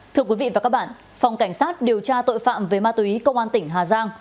thưa quý vị và các bạn phòng cảnh sát điều tra tội phạm về ma túy công an tỉnh hà giang